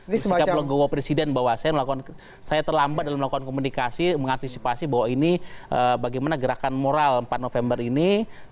sikap legowo presiden bahwa saya melakukan saya terlambat dalam melakukan komunikasi mengantisipasi bahwa ini bagaimana gerakan moral empat november ini